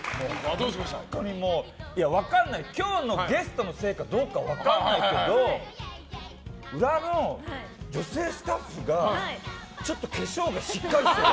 今日のゲストのせいかどうか分かんないんだけど裏の女性スタッフがちょっと化粧がしっかりしてる。